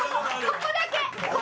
ここだけ。